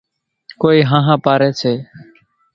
ڪونئين ۿانۿا پاريَ سي۔